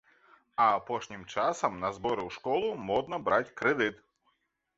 А апошнім часам на зборы ў школу модна браць крэдыт.